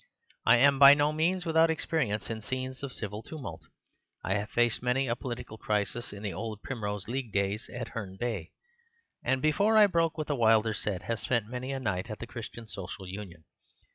I am by no means without experience in scenes of civil tumult. I have faced many a political crisis in the old Primrose League days at Herne Bay, and, before I broke with the wilder set, have spent many a night at the Christian Social Union.